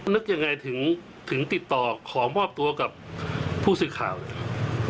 นึกยังไงถึงติดต่อขอมอบตัวกับผู้สื่อข่าว